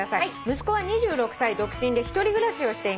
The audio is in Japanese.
「息子は２６歳独身で１人暮らしをしています」